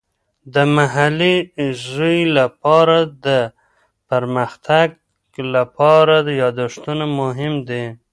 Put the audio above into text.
د محلي زوی لپاره د پرمختګ لپاره یادښتونه مهم دي.